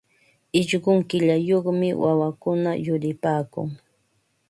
Ishqun killayuqmi wawakuna yuripaakun.